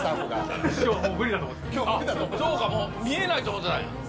そうかもう見えないと思ってたんや。